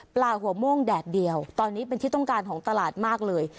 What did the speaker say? หัวม่วงแดดเดียวตอนนี้เป็นที่ต้องการของตลาดมากเลย